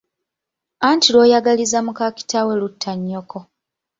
Anti lw'oyagaliza muka kitaawo lutta nnyoko.